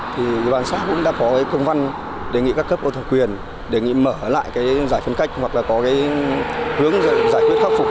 thì bàn xã cũng đã có công văn đề nghị các cấp ô thờ quyền đề nghị mở lại cái giải phương cách hoặc là có cái hướng giải quyết khắc phục